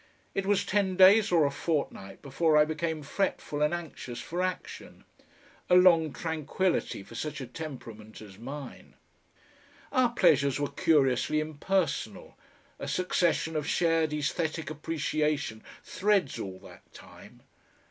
It was ten days or a fortnight before I became fretful and anxious for action; a long tranquillity for such a temperament as mine. Our pleasures were curiously impersonal, a succession of shared aesthetic appreciation threads all that time.